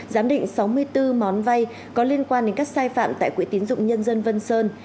giám định sáu mươi bốn món vay có liên quan đến các sai phạm tại quỹ tín dụng nhân dân vân sơn